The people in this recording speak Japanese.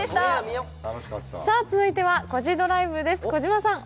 続いては「コジドライブ」です。